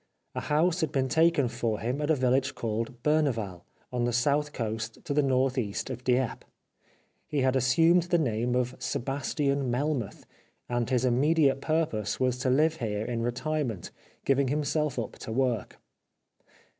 A house had been taken for him at a village called Berneval, on the sea coast to the N.E. of Dieppe. He had assumed the name of Sebastian Melmoth, and his immediate purpose was to live here in retirement, giving himself up to work.